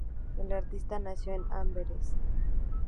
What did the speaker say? El artista nació en Amberes.